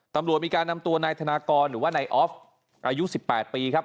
ตำรวจมีการนำตัวนายธนากรหรือว่านายออฟอายุ๑๘ปีครับ